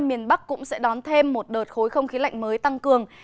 miền bắc cũng sẽ đón thêm một đợt khối không khí lạnh mới tăng cường